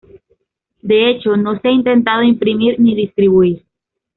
De hecho, no se ha intentado imprimir ni distribuir".